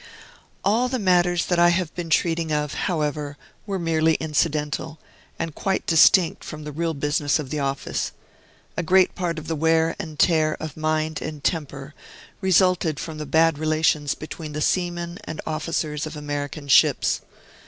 All the matters that I have been treating of, however, were merely incidental, and quite distinct from the real business of the office. A great part of the wear and tear of mind and temper resulted from the bad relations between the seamen and officers of American ships.